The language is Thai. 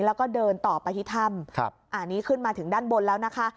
แล้วก็เดินต่อไปที่ถ้ำอันนี้ขึ้นมาถึงด้านบนแล้วนะคะ